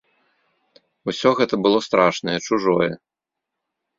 Усё гэта было страшнае, чужое.